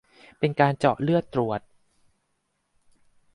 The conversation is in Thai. เป็นการเจาะเลือดตรวจ